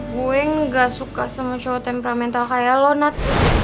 gue gak suka sama cowo temperamental kaya lo nat